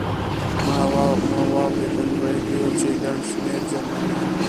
مو واورېدل، ویل یې چې ګڼ شمېر جرمنیان.